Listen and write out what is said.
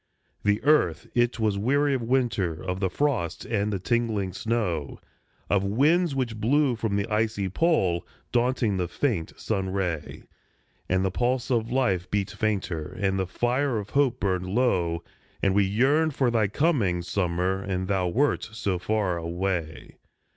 The earth it was weary of winter, of the frost and the tingling snow, Of winds which blew from the icy Pole, daunting the faint sun ray ; And the pulse of life beat fainter, and the fire of hope burned low, And we yearned for thy coming, summer, and thou wert so far away.